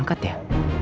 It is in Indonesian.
ambil obat ya